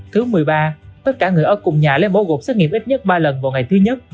thứ một mươi ba tất cả người ở cùng nhà lấy bỏ gộp xét nghiệm ít nhất ba lần vào ngày thứ nhất